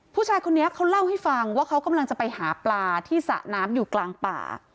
ผู้ชายคนนี้เขาเล่าให้ฟังว่าเขากำลังจะไปหาปลาที่สระน้ำอยู่กลางป่า